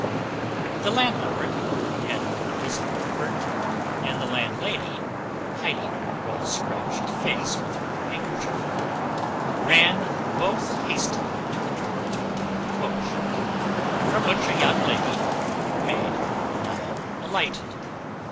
The landlord, who had no visible hurt, and the landlady, hiding her well scratched face with her handkerchief, ran both hastily to the door to attend the coach, from which a young lady and her maid now alighted.